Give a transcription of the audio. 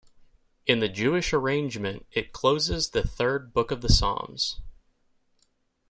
In the Jewish arrangement it closes the third book of the Psalms.